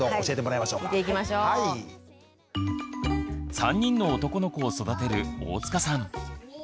３人の男の子を育てる大塚さん。